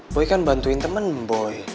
boy kan bantuin temen boy